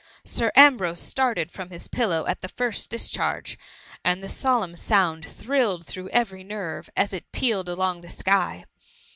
Sir Ambrose started from his pillow at the first discharge, and the solemn sound thrilled through every nerve as it pealed along the sky.